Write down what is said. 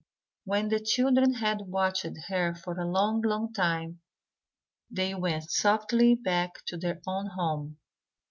When the children had watched her for a long long time, they went softly back to their own home.